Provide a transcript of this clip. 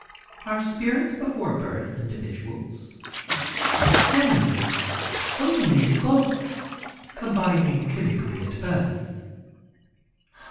"Are spirits before birth individuals?" "No, only in bulk, combining chemically at birth."